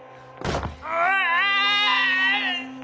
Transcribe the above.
うわ！